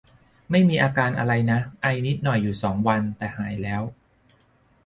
ไม่มีอาการอะไรนะ ไอนิดหน่อยอยู่สองวัน แต่หายแล้ว